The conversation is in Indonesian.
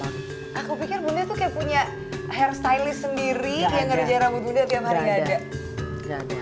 aku pikir bunda itu punya hair stylist sendiri yang ngerjain rambut bunda tiap hari